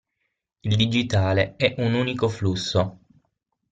Il digitale è un unico flusso.